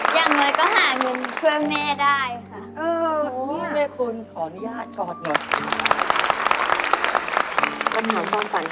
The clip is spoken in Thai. อย่างน้อยก็หาเงินช่วยแม่ได้ค่ะ